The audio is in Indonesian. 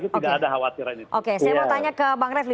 saya mau tanya ke bang refli